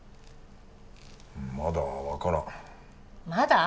まだ分からんまだ？